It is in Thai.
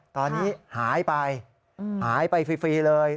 ตอนนี้หายไปหายไปฟรีเลย